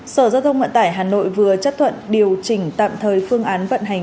sở giao thông ngoại tải hà nội vừa chấp thuận điều chỉnh tạm thời phương án vận hành